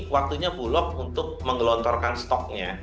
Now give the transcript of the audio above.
waktunya bulog untuk menggelontorkan stoknya